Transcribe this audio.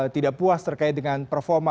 tidak puas terkait dengan performa